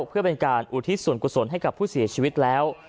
เพื่อเป็นการอุทิศส่วนกุศลให้กับผู้เสียชีวิตแล้ว